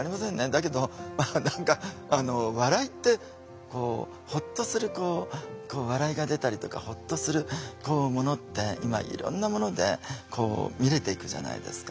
だけど何か笑いってホッとするこう笑いが出たりとかホッとするものって今いろんなもので見れていくじゃないですか。